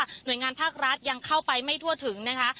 หน่วยงานภาครัฐยังเข้าไปไม่ทั่วถึงนะคะ